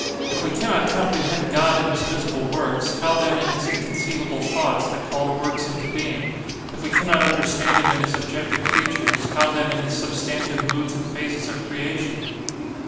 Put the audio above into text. If we cannot comprehend God in his visible works, how then in his inconceivable thoughts, that call the works into being? If we cannot understand him in his objective creatures, how then in his substantive moods and phases of creation?